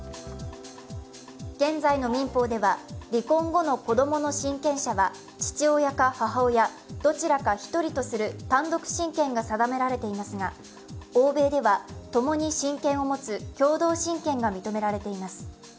現在の民法では離婚後の子供の親権者は父親か母親、どちらか１人とする単独親権が定められていますが欧米では共に親権を持つ共同親権が認められています。